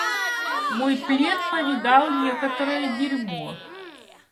Мой плед повидал некоторое дерьмо.